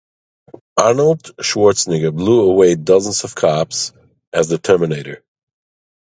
Arnold Schwarzenegger blew away dozens of cops as the Terminator.